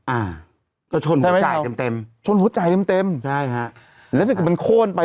อ่าก็ชนหัวจ่ายเต็มเต็มชนหัวใจเต็มเต็มใช่ฮะแล้วถ้าเกิดมันโค้นไป